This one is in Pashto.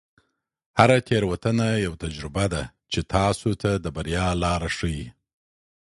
هره تیروتنه یوه تجربه ده چې تاسو ته د بریا لاره ښیي.